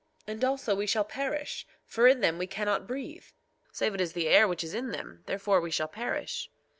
And also we shall perish, for in them we cannot breathe, save it is the air which is in them; therefore we shall perish.